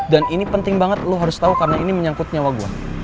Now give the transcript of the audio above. dan ini penting banget lo harus tau karena ini menyangkut nyawa gue